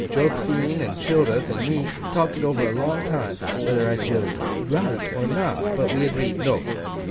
Joth'phine and Childerth and me talked it over a long time, whether I thould write or not. But we agreed, "No.